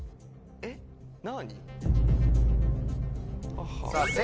えっ何？